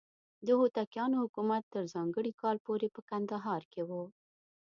د هوتکیانو حکومت تر ځانګړي کال پورې په کندهار کې و.